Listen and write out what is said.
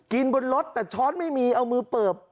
บนรถแต่ช้อนไม่มีเอามือเปิบ